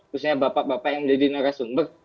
khususnya bapak bapak yang menjadi narasumber